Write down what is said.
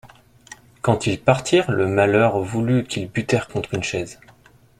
Quand ils partirent, le malheur voulut qu'ils butèrent contre une chaise.